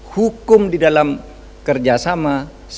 hukum di dalam kerjasama